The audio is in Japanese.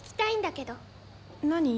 何？